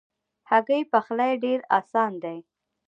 هګۍ پخلی ډېر آسانه دی.